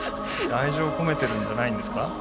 愛情を込めてるんじゃないんですか？